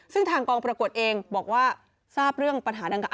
ซึ่งทางกองประกวดเองบอกว่าทราบเรื่องปัญหาดังกล่า